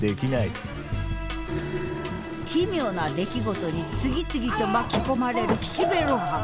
奇妙な出来事に次々と巻き込まれる岸辺露伴。